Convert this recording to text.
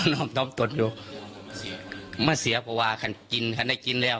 น้องต่อมตนอยู่มาเสียเพราะว่าคันกินคันได้กินแล้ว